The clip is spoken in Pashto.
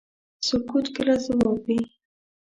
سکوت کله ځواب وي.